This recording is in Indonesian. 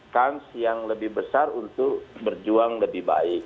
kans yang lebih besar untuk berjuang lebih baik